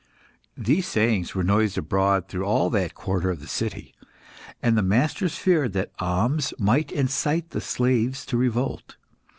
These sayings were noised abroad through all that quarter of the city, and the masters feared that Ahmes might incite the slaves to revolt.